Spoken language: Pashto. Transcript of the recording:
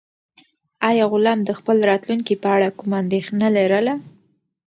آیا غلام د خپل راتلونکي په اړه کومه اندېښنه لرله؟